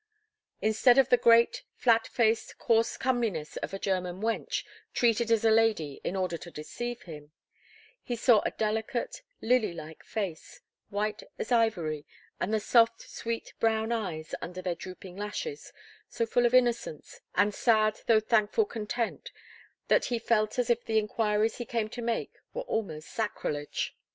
Instead of the great, flat faced, coarse comeliness of a German wench, treated as a lady in order to deceive him, he saw a delicate, lily like face, white as ivory, and the soft, sweet brown eyes under their drooping lashes, so full of innocence and sad though thankful content, that he felt as if the inquiries he came to make were almost sacrilege.